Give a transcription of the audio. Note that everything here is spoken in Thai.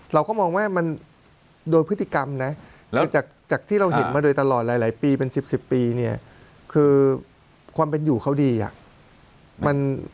เราก็มองว่ามันโดยพฤติกรรมนะจากที่เราเห็นมาโดยตลอดหลายปีเป็น๑๐ปีเนี่ยคือความเป็นอยู่เขาดีอ่ะ